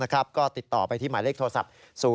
ก็ติดต่อไปที่หมายเลขโทรศัพท์๐๔